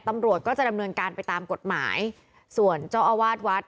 ตำรวจก็จะดำเนินการไปตามกฎหมายส่วนเจ้าอาวาสวัด